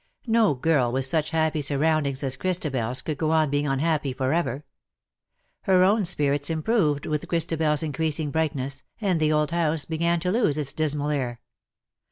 No girl with such happy surroundings as ChristabeFs could go on being unhappy for ever. Her own spirits improved with Christabel^s increas ing brightness^ and the old house began to lose its dismal air.